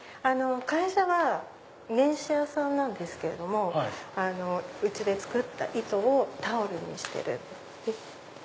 ⁉会社はねん糸屋さんなんですけどもうちで作った糸をタオルにしてるんです。